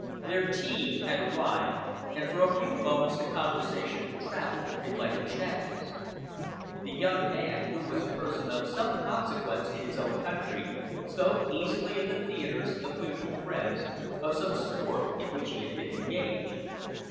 Their tea had arrived, and for a few moments the conversation travelled in lighter channels. The young man, who was a person of some consequence in his own country, spoke easily of the theatres, of mutual friends, of some sport in which he had been engaged.